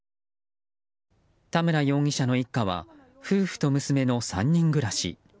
田村容疑者の一家は夫婦と娘の３人暮らし。